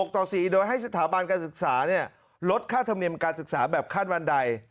ต่อ๔โดยให้สถาบันการศึกษาลดค่าธรรมเนียมการศึกษาแบบขั้นบันได